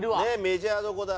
メジャーどころだ」